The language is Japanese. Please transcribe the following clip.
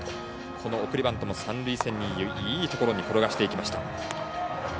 この送りバントも、三塁線のいいところに転がせていきました。